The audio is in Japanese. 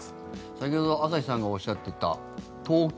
先ほど朝日さんがおっしゃっていた東京。